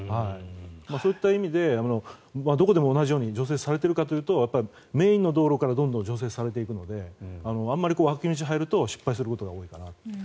そういった意味でどこでも同じように除雪されているかというとメインの道路から除雪されていくのであまり脇道に入ると失敗することが多いなと。